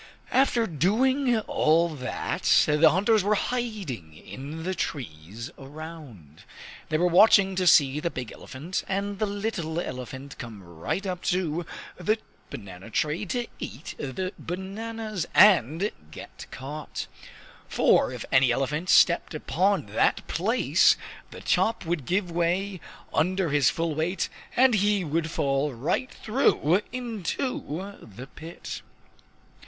After doing all that, the hunters were hiding in the trees around. They were watching to see the big elephant and the little elephant come right up to the banana tree to eat the bananas, and get caught! For if any elephant stepped upon that place, the top would give way under his full weight, and he would fall right through into the pit.